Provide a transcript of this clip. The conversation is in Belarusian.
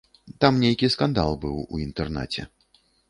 Там нейкі скандал быў у інтэрнаце.